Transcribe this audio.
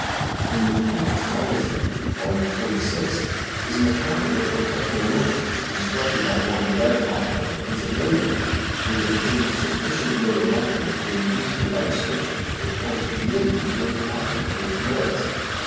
In the " Mechanic's Magazine," Vol. 46, is an account of a perpetual motion, constructed by one Redhoeffer of Pennsylvania, which obtained sufficient notoriety to in duce the Legislature to appoint a committee to enquire into its merits.